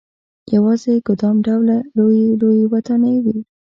یوازې ګدام ډوله لويې لويې ودانۍ وې.